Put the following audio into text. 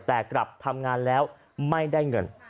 แต่กลับทำงานแล้วไม่ได้เงิน